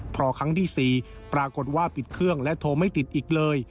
พอครั้งที่๔ปรากฏว่าปิดเครื่องและโทรไม่ติดอีกเลย